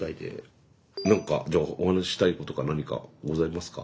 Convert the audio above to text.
何かじゃあお話ししたいことが何かございますか？